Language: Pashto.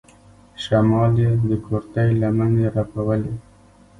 شمال يې د کورتۍ لمنې رپولې.